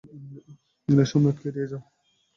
ইংরেজ সম্রাটকে এড়িয়ে যাও।